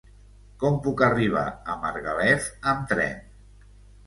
Com puc arribar a Margalef amb tren?